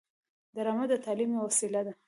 ډرامه د تعلیم یوه وسیله ده